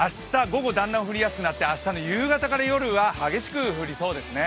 午後、だんだん降りやすくなって明日の夕方から夜は激しく降りそうですね。